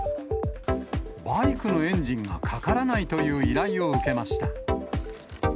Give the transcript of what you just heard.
バイクのエンジンがかからないという依頼を受けました。